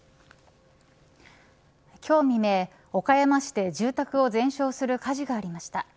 今日未明、岡山市で住宅を全焼する火事がありました。